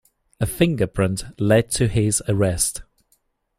A fingerprint led to his arrest.